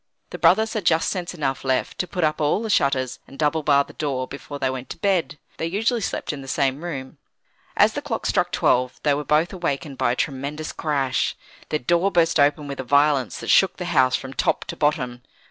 The brothers had just sense enough left to put up all the shutters, and double bar the door, before they went to bed. They usually slept in the same room. As the clock struck twelve, they were both awakened by a tremendous crash. Their door burst open with a violence that shook the house from top to bottom.